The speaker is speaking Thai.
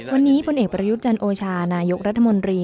วันนี้พลเอกประยุทธ์จันโอชานายกรัฐมนตรี